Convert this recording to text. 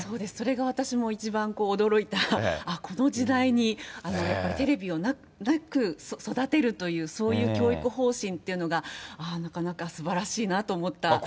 そうです、それが私も一番驚いた、ああ、この時代に、やっぱりテレビなく育てるという、そういう教育方針というのが、なかなかすばらしいなと思った記憶があります。